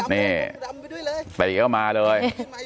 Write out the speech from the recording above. นี่ไปอีกก็มาเลย